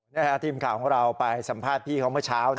ทีมข่าวของเราไปสัมภาษณ์พี่เขาเมื่อเช้า